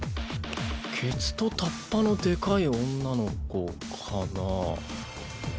ケツとタッパのでかい女の子かなぁ。